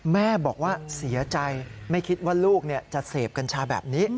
แม่บอกว่าเสียใจไม่คิดว่าลูกจะเสพกัญชาแบบนี้